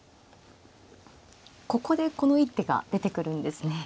ここでこの一手が出てくるんですね。